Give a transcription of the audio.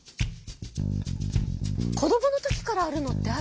子どものときからあるのってある？